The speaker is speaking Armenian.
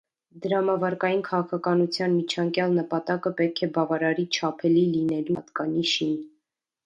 Դրամավարկային քաղաքականության միջանկյալ նպատակը պետք է բավարարի չափելի լինելու հատկանիշին։